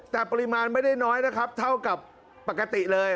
แต่ปริมาณไม่ได้น้อยนะครับเท่ากับปกติเลย